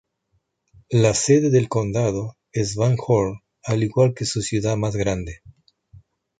La sede del condado es Van Horn, al igual que su ciudad más grande.